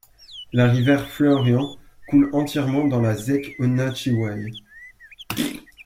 La rivière Florian coule entièrement dans la zec Onatchiway.